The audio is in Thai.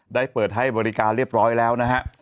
ได้เปิดให้บริการเรียบร้อยแล้วนะฮะ